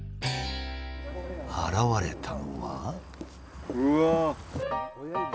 現れたのは。